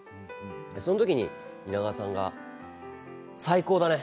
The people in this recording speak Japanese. その時に蜷川さんが最高だね！